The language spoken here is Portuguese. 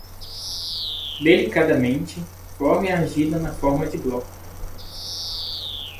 Delicadamente, forme a argila na forma de bloco.